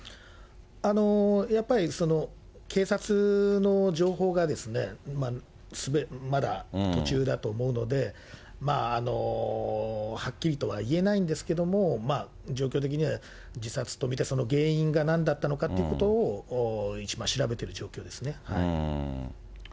やっぱり警察の情報がまだ途中だと思うので、まあ、はっきりとは言えないんですけれども、状況的には自殺と見て、その原因がなんだったのかっていうことを、今、調べてる状況ですね。